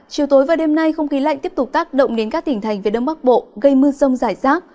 chiều tối và đêm nay không khí lạnh tiếp tục tác động đến các tỉnh thành phía đông bắc bộ gây mưa rông rải rác